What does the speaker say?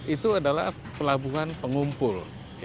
itu adalah pelabuhan pengumpul